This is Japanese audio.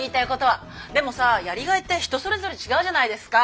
でもさやりがいって人それぞれ違うじゃないですか。